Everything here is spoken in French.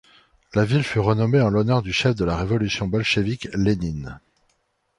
La ville fut renommée en l'honneur du chef de la révolution bolchévique, Lénine.